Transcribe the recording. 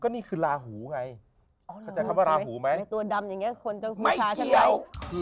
ก็นี่คือลาหูไงอ๋อเห็นไหมตัวดำอย่างเงี้ยคนจะไม่เกี่ยว